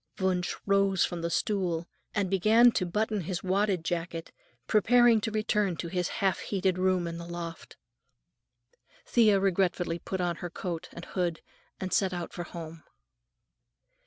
Wunsch rose from the stool and began to button his wadded jacket, preparing to return to his half heated room in the loft. Thea regretfully put on her cloak and hood and set out for home.